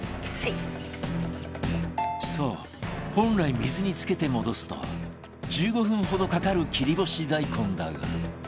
そう本来水につけて戻すと１５分ほどかかる切り干し大根だが